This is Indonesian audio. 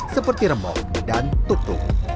seperti remok dan tuk tuk